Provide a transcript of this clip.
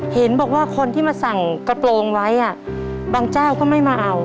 เห็นบอกว่าคนที่มาสั่งกระโปรงไว้บางเจ้าก็ไม่มาเอา